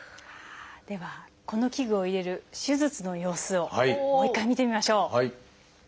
ではこの器具を入れる手術の様子をもう一回見てみましょう。